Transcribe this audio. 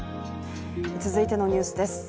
続いてのニュースです。